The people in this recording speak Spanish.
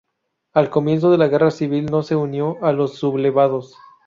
Al comienzo de la Guerra civil no se unió a los sublevados.